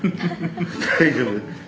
大丈夫。